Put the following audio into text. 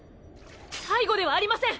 最後ではありません！